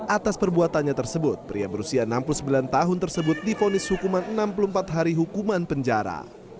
atas perbuatannya tersebut pria berusia enam puluh sembilan tahun tersebut difonis hukuman enam puluh empat hari hukuman penjara